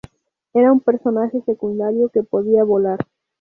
Era un personaje secundario que podía volar.